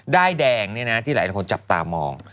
้ายแดงนี่นะที่หลายคนจับตามอง